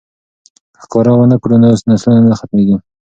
که ښکار ونه کړو نو نسلونه نه ختمیږي.